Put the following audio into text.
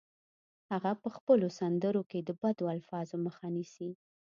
هغه په خپلو سندرو کې د بدو الفاظو مخه نیسي